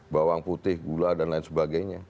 bawang putih gula dan lain sebagainya